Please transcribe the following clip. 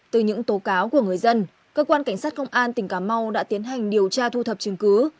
từ những tố cáo của người dân cơ quan cảnh sát công an tỉnh cà mau đã tiến hành điều tra thu thập chứng cứ